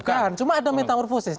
bukan cuma ada metamorfosis